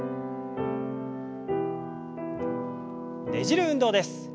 ねじる運動です。